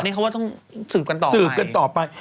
นี่เขาว่าต้องสืบกันต่อสืบกันต่อไป